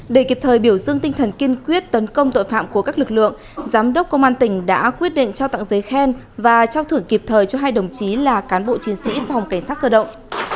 để kịp thời biểu dương tinh thần kiên quyết tấn công tội phạm của các lực lượng giám đốc công an tỉnh đã quyết định trao tặng giấy khen và trao thưởng kịp thời cho hai đồng chí là cán bộ chiến sĩ phòng cảnh sát cơ động